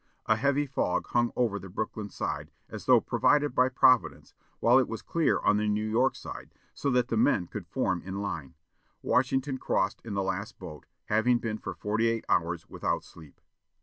A heavy fog hung over the Brooklyn side, as though provided by Providence, while it was clear on the New York side, so that the men could form in line. Washington crossed in the last boat, having been for forty eight hours without sleep.